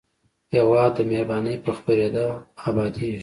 هېواد د مهربانۍ په خپرېدو ابادېږي.